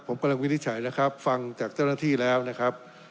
ผมกำลังวินิจฉัยนะครับฟังจากเจ้าหน้าที่แล้วนะครับ